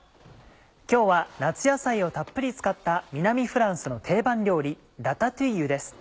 今日は夏野菜をたっぷり使った南フランスの定番料理「ラタトゥイユ」です。